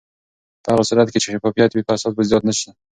په هغه صورت کې چې شفافیت وي، فساد به زیات نه شي.